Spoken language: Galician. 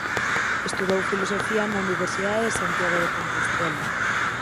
Estudou Filosofía na Universidade de Santiago de Compostela.